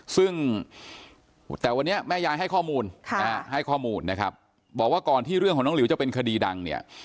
ซึ่งแต่วันนี้แม่ยายให้ข้อมูลให้ข้อมูลนะครับบอกว่าก่อนที่เรื่องของน้องหลิวจะเป็นคดีดังเนี่ย